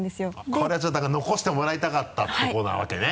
これはちょっとだから残してもらいたかったとこなわけね。